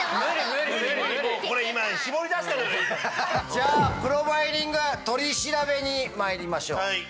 じゃあプロファイリング取り調べにまいりましょう。